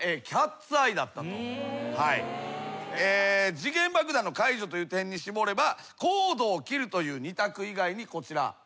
時限爆弾の解除という点に絞ればコードを切るという二択以外にこちら。